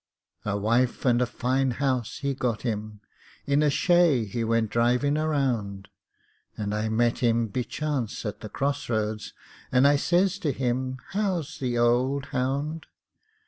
A wife and a fine house he got him; In a shay he went drivin' around; And I met him be chance at the cross roads, And I says to him, "How's the ould hound?"